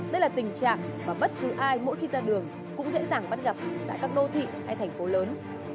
đây là tình trạng mà bất cứ ai mỗi khi ra đường cũng dễ dàng bắt gặp tại các đô thị hay thành phố lớn